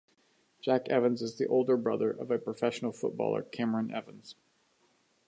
Jack Evans is the older brother of professional footballer Cameron Evans.